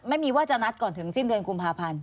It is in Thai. ไม่มีว่าจะนัดก่อนถึงสิ้นเดือนกุมภาพันธ์